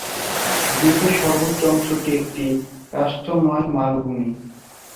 দ্বীপের সর্বোচ্চ অংশটি একটি কাষ্ঠময় মালভূমি।